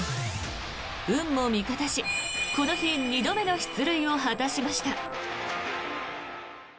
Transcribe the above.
運も味方しこの日２度目の出塁を果たしました。